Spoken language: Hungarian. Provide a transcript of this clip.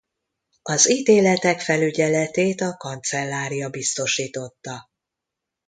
Az ítéletek felügyeletét a Kancellária biztosította.